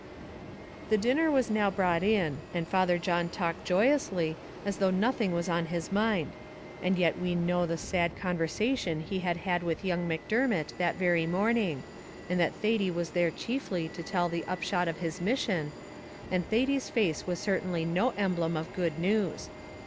The dinner was now brought in, and Father John talked joyously, as though nothing was on his mind; and yet we know the sad conversation he had had with young Macdermot that very morning, and that Thady was there chiefly to tell the upshot of his mission, and Thady's face was certainly no emblem of good news.